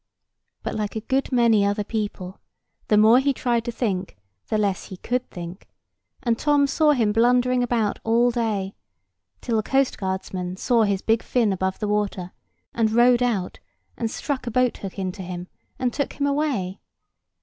But, like a good many other people, the more he tried to think the less he could think; and Tom saw him blundering about all day, till the coast guardsmen saw his big fin above the water, and rowed out, and struck a boat hook into him, and took him away.